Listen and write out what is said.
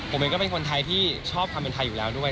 ผมเองก็เป็นคนไทยที่ชอบความเป็นไทยอยู่แล้วด้วย